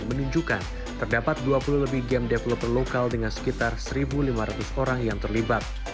menunjukkan terdapat dua puluh lebih game developer lokal dengan sekitar satu lima ratus orang yang terlibat